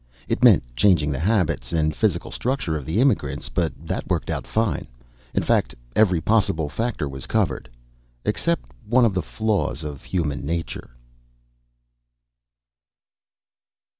It meant changing the habits and physical structure of the immigrants, but that worked out fine. In fact, every possible factor was covered except one of the flaws of human nature....